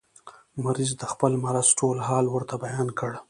مریض د خپل مرض ټول حال ورته بیان کړ.